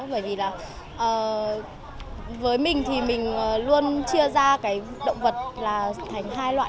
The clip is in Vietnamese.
bởi vì là với mình thì mình luôn chia ra động vật thành hai loại